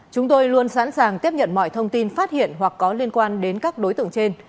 chúng tôi luôn sẵn sàng tiếp nhận mọi thông tin phát hiện hoặc có liên quan đến các đối tượng trên